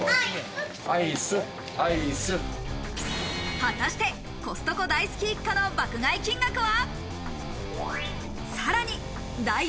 果たしてコストコ大好き一家の爆買い金額は？